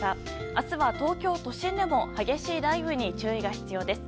明日は東京都心でも激しい雷雨に注意が必要です。